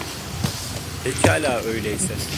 Pekala öyleyse.